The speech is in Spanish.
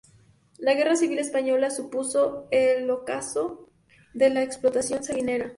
La guerra civil española supuso el ocaso de la explotación salinera.